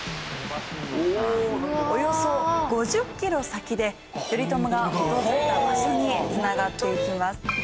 およそ５０キロ先で頼朝が訪れた場所に繋がっていきます。